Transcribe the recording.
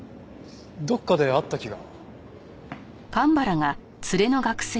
どこかで会った気が。